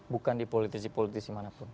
bukan di politisi politisi manapun